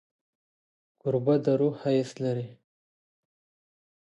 کوربه د روح ښایست لري.